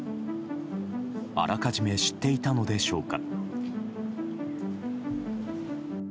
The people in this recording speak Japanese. あらかじめ知っていたのでしょうか。